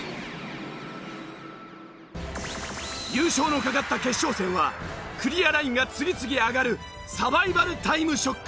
優勝のかかった決勝戦はクリアラインが次々上がるサバイバルタイムショック。